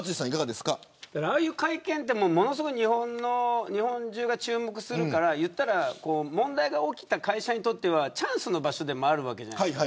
ああいう会見って日本中が注目するから問題が起きた会社にとってはチャンスの場所でもあるわけじゃないですか。